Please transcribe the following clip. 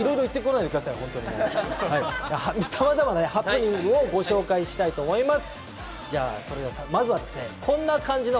さまざまなハプニングをご紹介したいと思います。